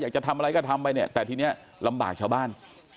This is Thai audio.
จะทำอะไรก็ทำไปเนี่ยแต่ทีนี้ลำบากชาวบ้าน